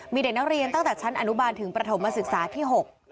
มีเด็กนักเรียนตั้งแต่ชั้นอนุบาลถึงประถมศึกษาที่๖